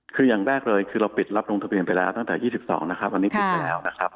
คืออย่างแรกเลยคือเราปิดรับรองทะเบียนไปแล้วตั้งแต่๒๒วันนี้ปิดไปแล้ว